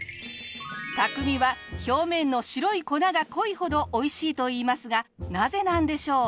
匠は表面の白い粉が濃いほどおいしいと言いますがなぜなんでしょう？